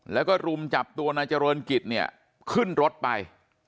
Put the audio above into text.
แล้วก็รุมจับตัวนายเจริญกิจเนี่ยขึ้นรถไป